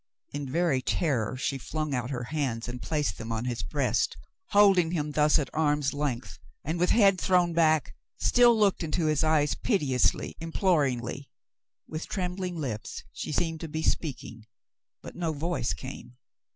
In very terror, she flung out her hands and placed them on his breast, holding him thus at arm's length, and with head thrown back, still looked into his eyes piteously, imploringly. With trembling lips, she seemed to be speak ing, but no voice came.